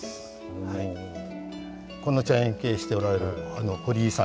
この茶園経営しておられる堀井さんです。